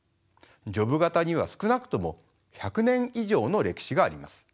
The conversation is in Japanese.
ジョブ型には少なくとも１００年以上の歴史があります。